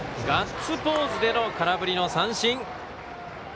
ガッツポーズでの空振りの三振！